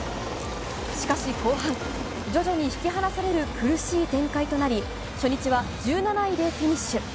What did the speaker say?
しかし後半、徐々に引き離される苦しい展開となり、初日は１７位でフィニッシュ。